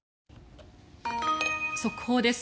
速報です。